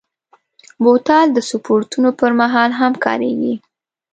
بوتل د سپورټونو پر مهال هم کارېږي.